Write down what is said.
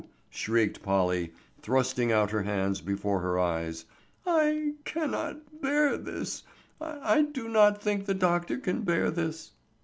shrieked Polly, thrusting out her hands before her eyes. "I—cannot—bear—this. I—I do not think the doctor can bear this.